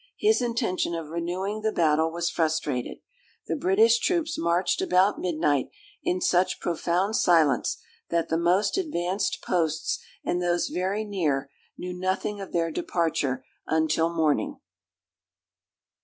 His intention of renewing the battle was frustrated. The British troops marched about midnight, in such profound silence, that the most advanced posts, and those very near, knew nothing of their departure until morning."